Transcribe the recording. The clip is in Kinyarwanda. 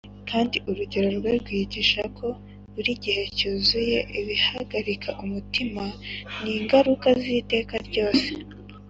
kandi urugero rwe rwigishaga ko buri gihe cyuzuye ibihagarika umutima n’ingaruka z’iteka ryose